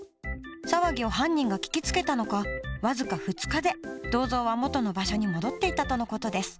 騒ぎを犯人が聞きつけたのか僅か２日で銅像は元の場所に戻っていたとの事です。